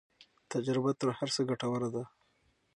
تجربه تر هر څه ګټوره ده.